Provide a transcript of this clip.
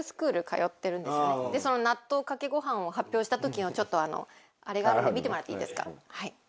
その納豆かけご飯を発表した時のちょっとあれがあるんで見てもらっていいですかはい。